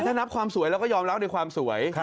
ถ้านับความสวยเราก็ยอมรับในความสวย